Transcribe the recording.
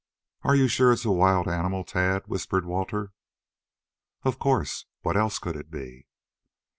"Are you sure it's a wild animal, Tad?" whispered Walter. "Of course. What else could it be?"